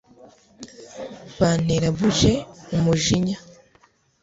bantera buje umujinya